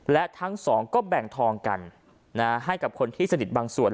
และทั้งสองก็แบ่งทองกันให้กับคนที่สนิทบางส่วน